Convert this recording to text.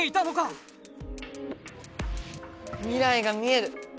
未来が見える！